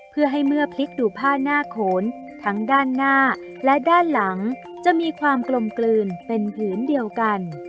เพื่อให้เมื่อพลิกดูผ้าหน้าโขนทั้งด้านหน้าและด้านหลังจะมีความกลมกลืนเป็นผืนเดียวกัน